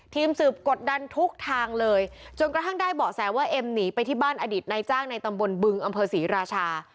ทีมสืบกดดันทุกทางเลยจนกระทั่งได้เบาะแสว่าเอ็มหนีไปที่บ้านอดีตนายจ้างในตำบลบึงอำเภอศรีราชา